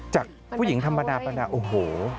จากผู้หญิงธรรมดาประนาโอ้โห